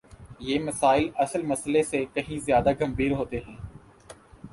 یہ مسائل اصل مسئلے سے کہیں زیادہ گمبھیر ہوتے ہیں۔